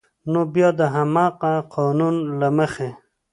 نو بیا د همغه قانون له مخې